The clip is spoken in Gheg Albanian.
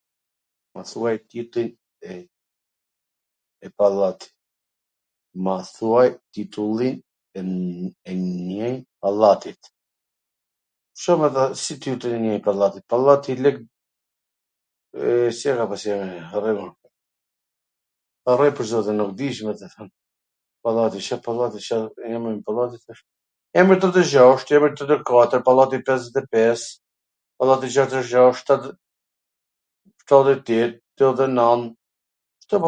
Mw thuaj titullin e njw pallatit. Ca me than, si titullin e njw pallatit? Pallati Lek ... si e ka pas emrin ai, harroj un, pwr zotin, nuk di si me ta than, pallati, Car pallati, Car emwn, emwr tedhtegjasht, tedhtekatwr, pallati pesdhetepes, pallati gjashdhetegjasht, shtadhetetet, tetdhetenand, kto...